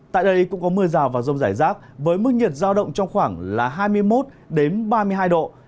tại đây cũng có mưa rào và rông rải rác với mức nhiệt giao động trong khoảng là hai mươi một ba mươi hai độ